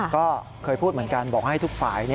ก็เคยพูดเหมือนกันบอกให้ทุกฝ่าย